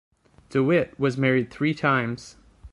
De Witt was married three times.